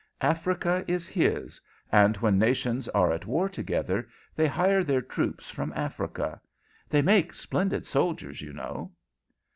Africa is his, and when nations are at war together they hire their troops from Africa. They make splendid soldiers, you know."